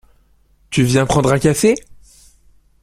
Tu viens prendre un café?